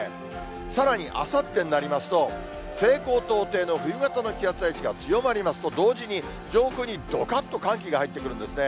さらにあさってになりますと、西高東低の冬型の気圧配置が強まりますと同時に、上空にどかっと寒気が入ってくるんですね。